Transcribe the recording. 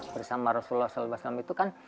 bersama rasulullah saw itu kan